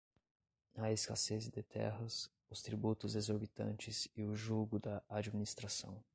a escassez de terras, os tributos exorbitantes e o jugo da administração